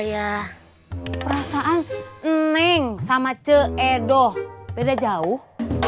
ya perasaan neng sama ce edo beda jauh